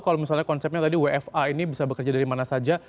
kalau misalnya konsepnya tadi wfa ini bisa bekerja dari mana saja